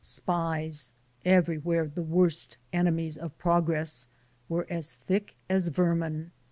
Spies, everywhere the worst enemies of progress, were as thick as vermin.